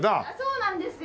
そうなんですよ。